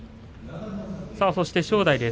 そして正代です。